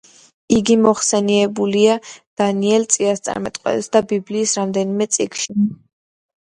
იგი მოხსენიებულია დანიელ წინასწარმეტყველისა და ბიბლიის რამდენიმე წიგნში.